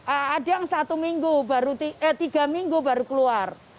ada yang satu minggu eh tiga minggu baru keluar